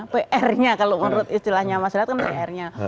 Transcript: pr nya kalau menurut istilahnya mas raya